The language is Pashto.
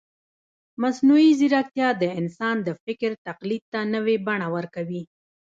مصنوعي ځیرکتیا د انسان د فکر تقلید ته نوې بڼه ورکوي.